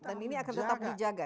dan ini akan tetap dijaga